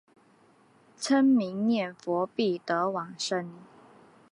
称名念佛必得往生。